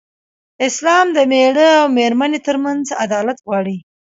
اسلام د مېړه او مېرمن تر منځ عدالت غواړي.